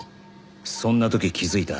そんな時気づいた。